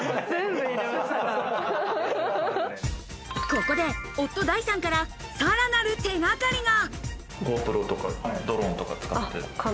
ここで、夫・だいさんから、さらなる手掛かりが。